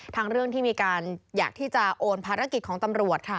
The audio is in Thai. ทั้งเรื่องที่มีการอยากที่จะโอนภารกิจของตำรวจค่ะ